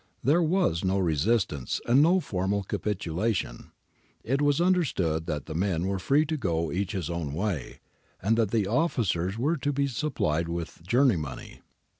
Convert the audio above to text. There was no resistance, and no formal capitulation. It was under stood that the men were free to go each his own way, and that the officers were to be supplied with journey money.